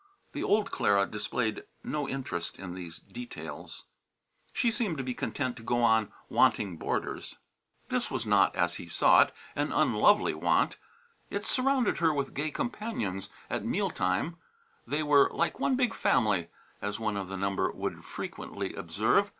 The old Clara displayed no interest in these details. She seemed to be content to go on wanting boarders. This was not, as he saw it, an unlovely want. It surrounded her with gay companions at meal time; they were "like one big family," as one of the number would frequently observe.